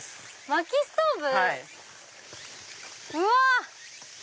まきストーブ⁉うわ！